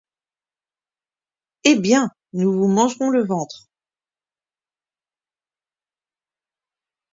Eh bien ! nous vous mangerons le ventre !